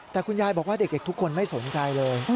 แต่คุณยายบอกว่าเด็กทุกคนไม่สนใจเลย